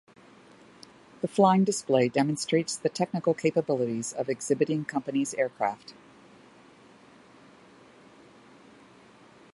The flying display demonstrates the technical capabilities of exhibiting companies aircraft.